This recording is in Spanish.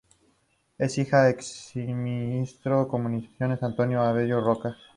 Es hija del exministro de comunicaciones Antonio Abello Roca.